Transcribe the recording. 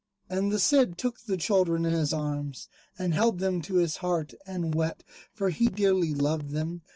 And the Cid took the children in his arms, and held them to his heart and wept, for he dearly loved them.